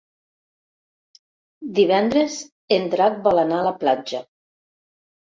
Divendres en Drac vol anar a la platja.